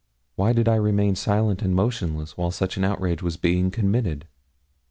Why did I remain silent and motionless while such an outrage was being committed?